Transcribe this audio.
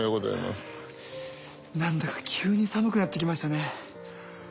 何だか急に寒くなってきましたね。